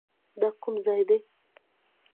دا کوم ځای دی؟